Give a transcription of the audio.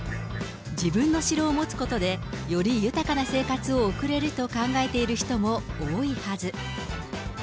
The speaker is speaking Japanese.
自分の城を持つことで、より豊かな生活を送れると考えている人も多いはず。